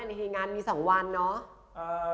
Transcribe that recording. ย้ำกันที่งานมี๒วันเนอะ